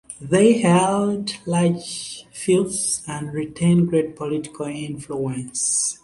They held large fiefs, and retained great political influence.